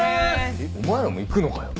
えっお前らも行くのかよ。